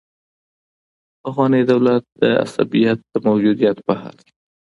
پخوانی دولت د عصبيت د موجودیت په حال کي دی.